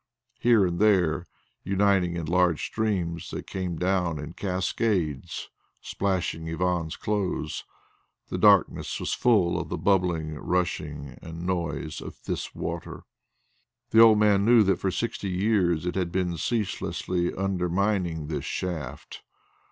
Here and there uniting in large streams, they came down in cascades, splashing Ivan's clothes. The darkness was full of the babbling, rushing and noise of this water. The old man knew that for sixty years it had been ceaselessly undermining this shaft.